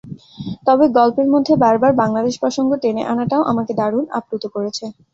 তবে গল্পের মধ্যে বারবার বাংলাদেশ প্রসঙ্গ টেনে আনাটাও আমাকে দারুণ আপ্লুত করেছে।